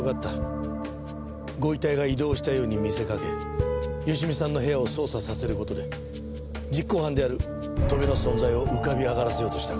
ご遺体が移動したように見せかけ芳美さんの部屋を捜査させる事で実行犯である戸辺の存在を浮かび上がらせようとしたからだ。